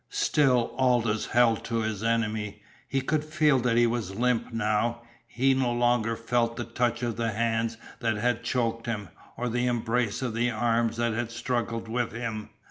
Still Aldous held to his enemy. He could feel that he was limp now; he no longer felt the touch of the hands that had choked him, or the embrace of the arms that had struggled with him.